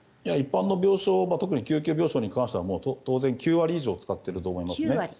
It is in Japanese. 一般の病床特に救急病床に関しては当然、９割以上使っていると思います。